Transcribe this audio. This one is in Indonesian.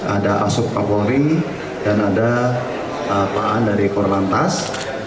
ada asok kapolri dan ada pak andarie korlantas